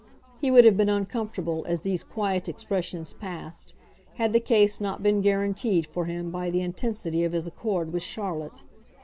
He would have been uncomfortable, as these quiet expressions passed, had the case not been guaranteed for him by the intensity of his accord with Charlotte.